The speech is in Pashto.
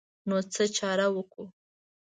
نو څه چاره وکړو.